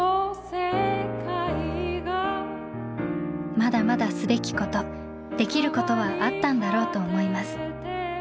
「まだまだすべきこと出来ることはあったんだろうと思います。